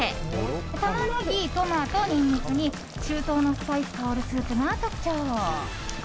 タマネギ、トマト、ニンニクに中東のスパイス香るスープが特徴。